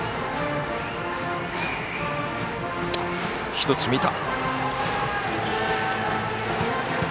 １つ、見た。